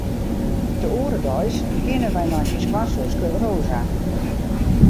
De oare deis geane wy nei myn skoansuske Rosa.